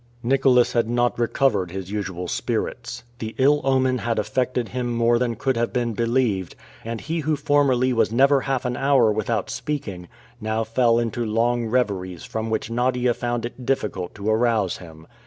Nicholas had not recovered his usual spirits. The ill omen had affected him more than could have been believed, and he who formerly was never half an hour without speaking, now fell into long reveries from which Nadia found it difficult to arouse him.